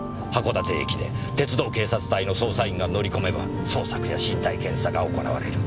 函館駅で鉄道警察隊の捜査員が乗り込めば捜索や身体検査が行われる。